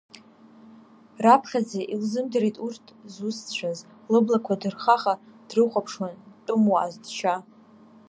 Раԥхьаӡа илзымдырит урҭ зусҭцәаз, лыблақәа ҭырхаха дрыхәаԥшуан тәымуааз џьшьа…